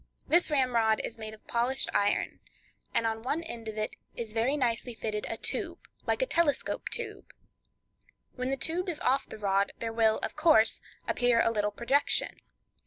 This ramrod is made of polished iron, and on one end of it is very nicely fitted a tube, like a telescope tube. When the tube is off the rod, there will, of course, appear a little projection.